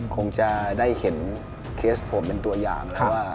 คงจะได้เห็นเคสผมเป็นตัวอย่าง